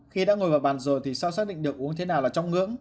khi đã ngồi vào bàn rồi thì sao xác định được uống thế nào là trong ngưỡng